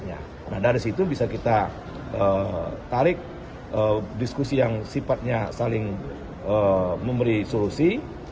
nah dari situ bisa kita tarik diskusi yang sifatnya saling memberi solusi